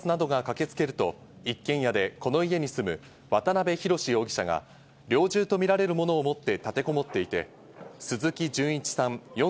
警察などが駆けつけると、一軒家でこの家に住む渡辺宏容疑者が猟銃とみられるもの持って立てこもっていて、鈴木純一さん